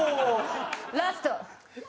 ラスト！